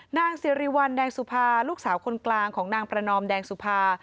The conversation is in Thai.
นางสิริวัลแดงสุภาลูกสาวคนกลางของนางประนอมแดงสุภา